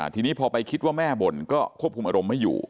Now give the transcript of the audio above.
ทีนี้พอไปคิดว่าแม่บ่นก็ควบคุมอารมณ์ไม่อยู่